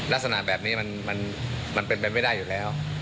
ลักษณะแบบนี้มันเป็นไปไม่ได้อยู่แล้ว